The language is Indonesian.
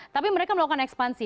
tapi mereka melakukan ekspansi